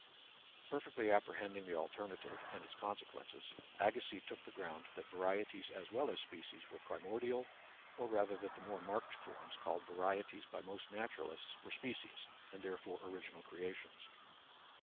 Perfectly apprehending the alternative and its consequences, Agassiz took the ground that varieties as weU as species were primordial, or rather that the more marked forms called va rieties by most naturalists were species, and therefore original creations.